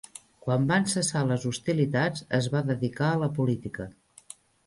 Quan van cessar les hostilitats, es va dedicar a la política.